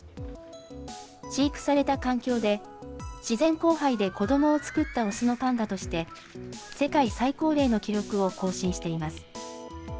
飼育された環境で、自然交配で子どもを作った雄のパンダとして、世界最高齢の記録を更新しています。